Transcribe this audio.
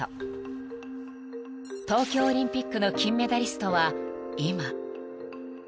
［東京オリンピックの金メダリストは今］